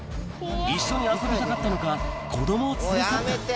一緒に遊びたかったのか、子どもを連れ去った。